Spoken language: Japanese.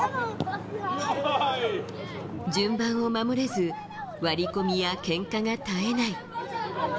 順番を守れず、割り込みやけんかが絶えない。